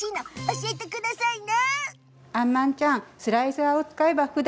教えてくださいな。